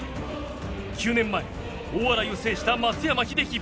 ９年前大洗を制した松山英樹